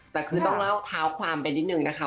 แต่คือต้องเล่าเท้าความไปนิดนึงนะคะ